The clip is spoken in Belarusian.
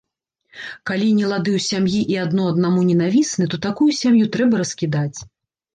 Калі нелады ў сям'і і адно аднаму ненавісны, то такую сям'ю трэба раскідаць.